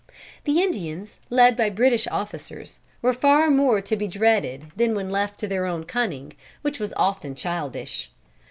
The Indians, led by British officers, were far more to be dreaded than when left to their own cunning, which was often childish.